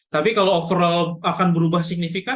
tapi kalau overall akan berubah signifikan